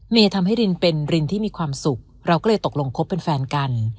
ทำให้รินเป็นรินที่มีความสุขเราก็เลยตกลงคบเป็นแฟนกัน